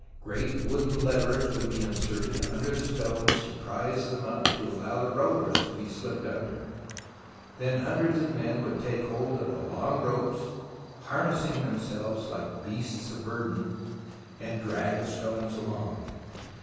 Great wooden levers would be inserted under the stones to prise them up to allow the rollers to be slipped under ; then hundreds of men would take hold of the long ropes, harnessing themselves like beasts of burden, and drag the stones along.